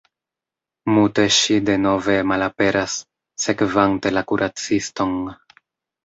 Mute ŝi denove malaperas, sekvante la kuraciston.